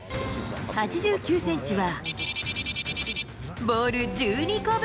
８９センチは、ボール１２個分。